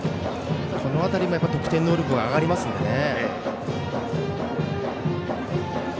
この辺りも得点能力が上がりますのでね。